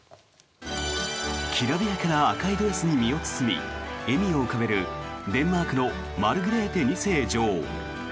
きらびやかな赤いドレスに身を包み、笑みを浮かべるデンマークのマルグレーテ２世女王。